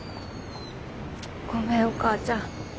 ごめんお母ちゃん。